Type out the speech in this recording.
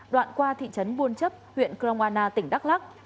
đoạn qua thị trấn bôn chấp huyện cromana tỉnh đắk lắc